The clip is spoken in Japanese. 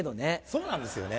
そうなんですよね。